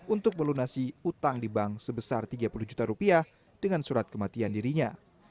untuk melunasi utang di bank sebesar tiga puluh juta rupiah dengan surat kematian dirinya